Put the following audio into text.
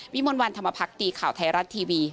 วิมวันวันธรรมพักตีข่าวไทยรัตน์ทีวี